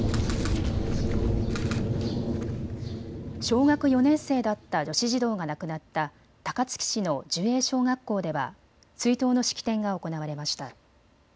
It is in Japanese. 小学４年生だった女子児童が亡くなった高槻市の寿栄小学校では追悼の式典が行われました。